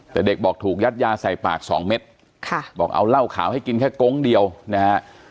แต่เด็กบอกถูกยัดยาใส่ปากสองเม็ดค่ะบอกเอาเหล้าขาวให้กินแค่ก๊งเดียวนะฮะ